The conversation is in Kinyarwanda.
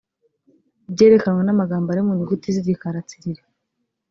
ibyerekanwa n amagambo ari mu nyuguti z igikara tsiriri